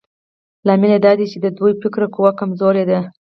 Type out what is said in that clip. لامل يې دا دی چې د دوی فکري قوه کمزورې ده.